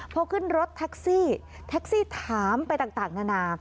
พอขึ้นรถแท็กซี่แท็กซี่ถามไปต่างนานา